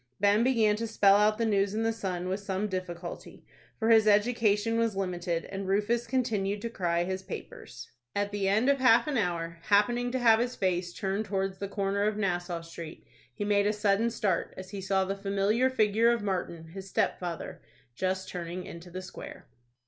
Ben began to spell out the news in the 'Sun,' with some difficulty, for his education was limited, and Rufus continued to cry his papers. At the end of half an hour, happening to have his face turned towards the corner of Nassau Street, he made a sudden start as he saw the familiar figure of Martin, his stepfather, just turning into the Square.